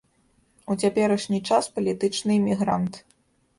У цяперашні час палітычны эмігрант.